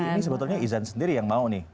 jadi ini sebetulnya izan sendiri yang mau nih